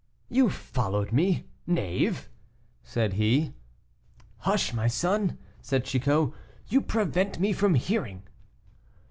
"You followed me, Knave!" said he. "Hush, my son," said Chicot; "you prevent me from hearing."